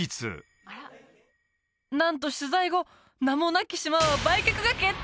なんと取材後「名もなき島」は売却が決定！